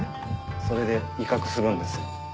それで威嚇するんです。